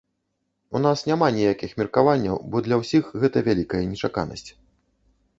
У нас няма ніякіх меркаванняў, бо для ўсіх гэта вялікая нечаканасць.